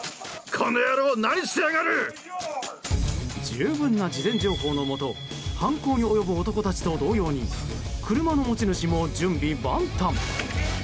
十分な事前情報のもと犯行に及ぶ男たちと同様に車の持ち主も準備万端。